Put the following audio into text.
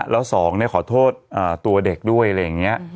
แล้วสองขอโทษตัวเด็กด้วยอะไรอย่างนี้